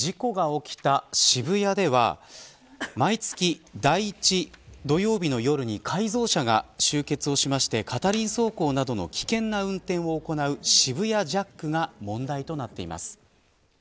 事故が起きた渋谷では毎月第１土曜日の夜に改造車が集結して片輪走行などの危険な運転を行う渋谷ジャックが問題となっています。